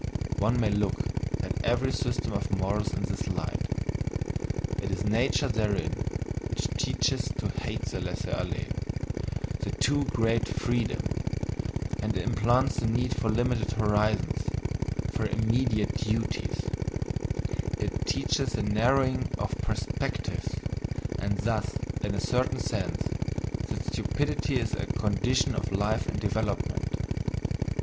One may look at every system of morals in this light: it is "nature" therein which teaches to hate the laisser aller, the too great freedom, and implants the need for limited horizons, for immediate duties it teaches the NARROWING OF PERSPECTIVES, and thus, in a certain sense, that stupidity is a condition of life and development.